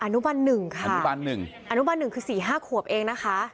อนุบาลหนึ่งค่ะอนุบาลหนึ่งคือสี่ห้าขวบเองนะคะ